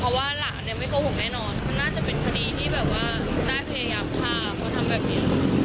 เพราะว่าหลานเนี่ยไม่โกหกแน่นอนมันน่าจะเป็นคดีที่แบบว่าได้พยายามฆ่าเพราะทำแบบนี้